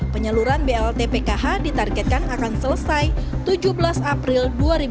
penyaluran blt pkh ditargetkan akan selesai tujuh belas april dua ribu dua puluh